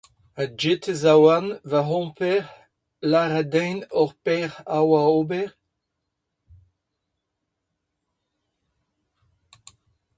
Ha gant e zaouarn, va c'homper, lar din ar pezh a oar ober ?